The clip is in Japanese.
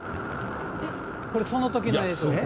これ、そのときの映像です。